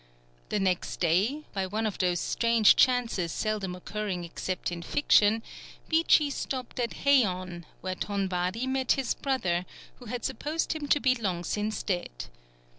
The next day, by one of those strange chances seldom occurring except in fiction, Beechey stopped at Heïon, where Ton Wari met his brother, who had supposed him to be long since dead.